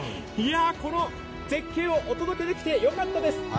この絶景をお届けできてよかったです。